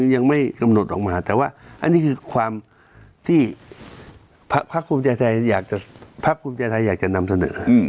ยังไม่กำหนดออกมาแต่ว่าอันนี้คือความที่ภาพภูมิใจไทยอยากจะนำเสนอ